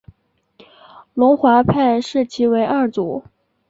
龙华派视其为二祖。